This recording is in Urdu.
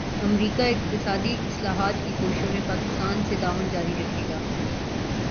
امریکا اقتصادی اصلاحات کی کوششوں میں پاکستان سے تعاون جاری رکھے گا